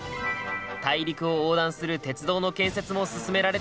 大陸を横断する鉄道の建設も進められていたんだ。